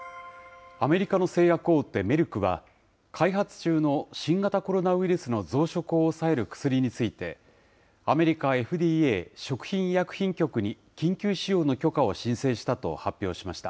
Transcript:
アメリカの製薬大手、メルクは、開発中の新型コロナウイルスの増殖を抑える薬について、アメリカＦＤＡ・食品医薬品局に緊急使用の許可を申請したと発表しました。